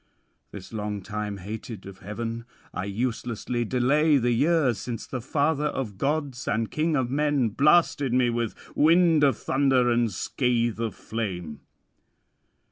This long time hated of heaven, I uselessly delay the years, since the father of gods and king of men blasted me with wind of thunder and scathe of flame."